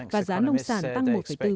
và giá nông sản tăng một bốn